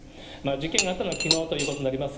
事件があったのはきのうということになります。